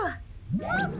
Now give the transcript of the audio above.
あっ！